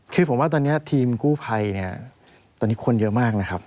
คือผมว่าตอนนี้ทีมกู้ภัยเนี่ยตอนนี้คนเยอะมากนะครับ